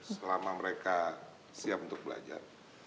selama mereka siap untuk belajar